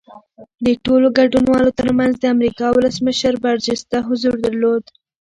د ټولو ګډونوالو ترمنځ د امریکا ولسمشر برجسته حضور درلود